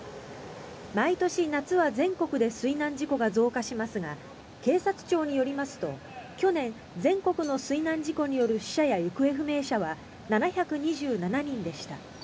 毎年、夏は全国で水難事故が増加しますが警察庁によりますと去年、全国の水難事故による死者や行方不明者は７２７人でした。